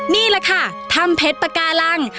นี่แหละค่ะถ้ำเพชรปากาลัง